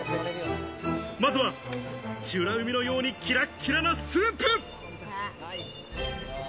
まずは、美ら海のように、キラキラのスープ。